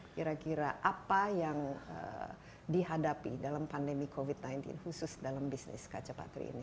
kira kira apa yang dihadapi dalam pandemi covid sembilan belas khusus dalam bisnis kaca patri ini